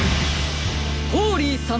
ホーリーさん！